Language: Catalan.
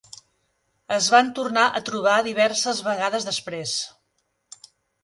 Es van tornar a trobar diverses vegades després.